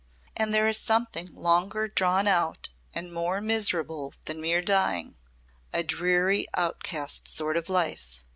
"And there is something longer drawn out and more miserable than mere dying a dreary outcast sort of life.